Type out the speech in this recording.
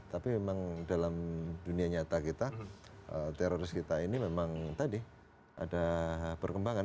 tapi memang dalam dunia nyata kita teroris kita ini memang tadi ada perkembangan